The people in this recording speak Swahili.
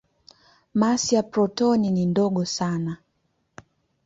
Masi ya protoni ni ndogo sana.